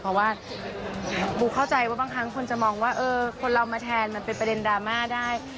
เพราะว่าบูเข้าใจว่าบางครั้งคนจะมองว่าคนเรามาแทนมันเป็นประเด็นดราม่าได้